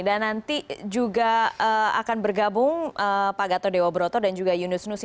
dan nanti juga akan bergabung pak gatot dewa broto dan juga yunus nusi